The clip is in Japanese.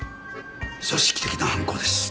組織的な犯行です。